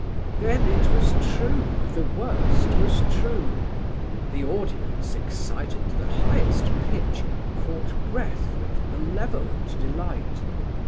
Then it was true, the worst was true. The audience, excited to the highest pitch, caught breath with malevolent delight.